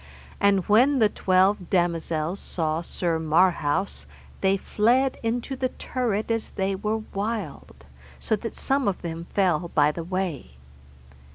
And when the twelve damosels saw Sir Marhaus they fled into the turret as they were wild, so that some of them fell by the way.